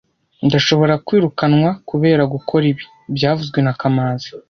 Ndashobora kwirukanwa kubera gukora ibi byavuzwe na kamanzi